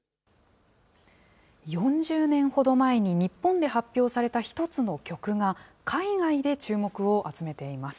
４０年ほど前に日本で発表された一つの曲が、海外で注目を集めています。